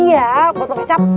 iya botol kecap